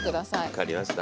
分かりました。